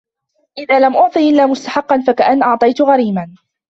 إذَا لَمْ أُعْطِ إلَّا مُسْتَحِقًّا فَكَأَنَّ أَعْطَيْت غَرِيمًا